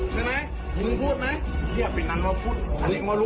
ผมมีเรื่องกับใครมันมีกาดสองคนใส่เสื้อกาดอ่ะ